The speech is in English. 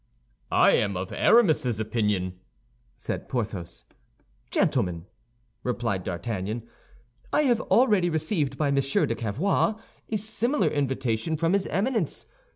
"I am of Aramis's opinion," said Porthos. "Gentlemen," replied D'Artagnan, "I have already received by Monsieur de Cavois a similar invitation from his Eminence.